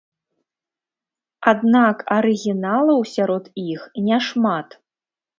Аднак арыгіналаў сярод іх няшмат.